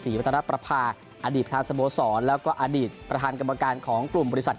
วัตนประภาอดีตประธานสโมสรแล้วก็อดีตประธานกรรมการของกลุ่มบริษัท